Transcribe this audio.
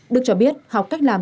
đức cho biết học cách làm